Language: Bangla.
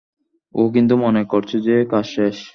ও কিন্তু মনে করছে যে কাজ শেষ।